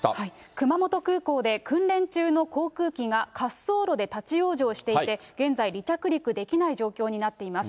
熊本空港で訓練中の航空機が、滑走路で立往生していて、現在、離着陸できない状況になっています。